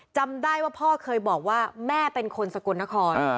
จำได้ว่าพ่อเคยบอกว่าแม่เป็นคนสกลนคร